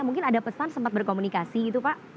mungkin ada pesan sempat berkomunikasi gitu pak